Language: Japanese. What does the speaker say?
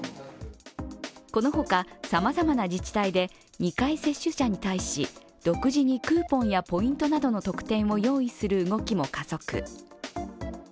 この他、さまざまな自治体で２回接種者に対し独自にクーポンやポイントなどの特典を用意する動きも加速。